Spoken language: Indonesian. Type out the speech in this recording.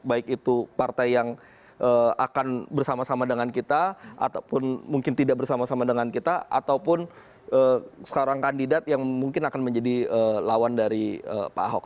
baik itu partai yang akan bersama sama dengan kita ataupun mungkin tidak bersama sama dengan kita ataupun sekarang kandidat yang mungkin akan menjadi lawan dari pak ahok